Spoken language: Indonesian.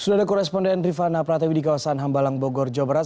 sudah ada koresponden rifana pratewi di kawasan hambalang bogor jawa barat